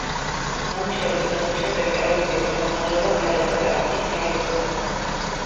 ნამუშევრის ნახვის შემდეგ, ტელევიზიის ხელმძღვანელობამ გადაწყვიტა, რომ ის გაეუქმებინა.